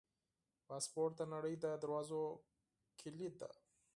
پاسپورټ د نړۍ د دروازو کلي ده.